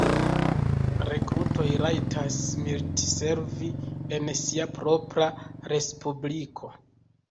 Rekrutoj rajtas militservi en sia propra respubliko.